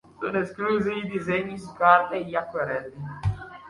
Sono esclusi i disegni su carta e gli acquerelli.